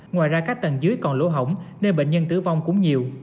ngoài ra các tầng dưới còn lỗ hổng nên bệnh nhân tử vong cũng nhiều